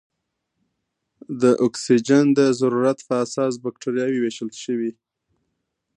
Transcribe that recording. د اکسیجن د ضرورت په اساس بکټریاوې ویشل شوې.